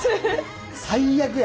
最悪や。